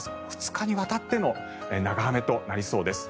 ２日にわたっての長雨となりそうです。